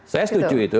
saya setuju itu